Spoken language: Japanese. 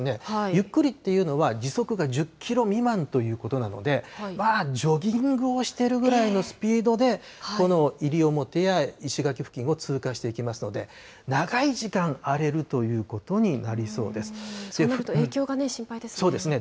ゆっくりっていうのは時速が１０キロ未満ということなので、まあジョギングをしているぐらいのスピードで、この西表や石垣付近を通過していきますので、長い時間、荒れるとそうなると、影響が心配ですそうですね。